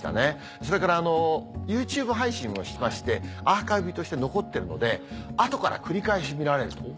それからＹｏｕＴｕｂｅ配信もしましてアーカイブとして残ってるので後から繰り返し見られると。